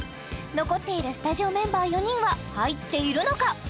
残っているスタジオメンバー４人は入っているのか？